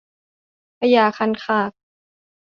พญาคันคาก